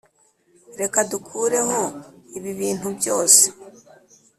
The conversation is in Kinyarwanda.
reka dukureho ibi bintu byose.